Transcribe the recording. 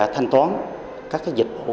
thanh toán các dịch vụ